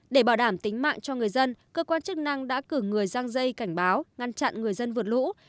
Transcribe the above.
để bảo đảm tính mạng cho người dân cơ quan chức năng đã cử người răng dây cảnh báo ngăn chặn người dân vượt lũ